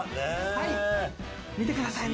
見てくださいね。